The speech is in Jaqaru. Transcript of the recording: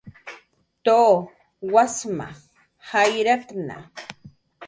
Tu, wasma jayratna